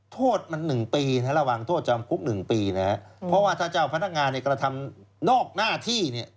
โทษมัน๑ปีระหว่างโทษจำคุก๑ปีนะฮะเพราะว่าถ้าเจ้าพนักงานในกระทำนอกหน้าที่เนี่ย